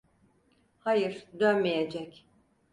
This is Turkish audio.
Hayır, dönmeyecek.